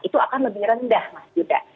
itu akan lebih rendah mas yuda